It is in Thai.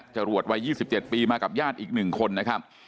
จรวดวัย๒๗ปีมากับญาติอีก๑คนนะครับ